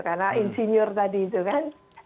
karena insinyur tadi itu kan